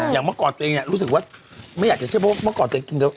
อย่างเมื่อก่อนตัวเองรู้สึกว่าไม่อยากจะเชื่อโภคเมื่อก่อนตัวเองกินกาแฟ